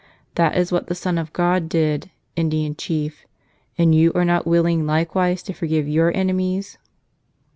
That is what the Son of God did, Indian chief, and you are not willing likewise to forgive your enemies?"